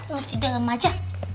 masih di dalam aja